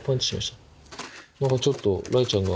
何かちょっと雷ちゃんが。